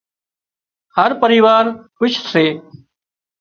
هر پريوار کُش سي